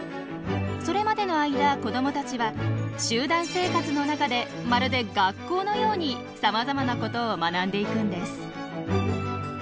それまでの間子どもたちは集団生活の中でまるで学校のようにさまざまなことを学んでいくんです。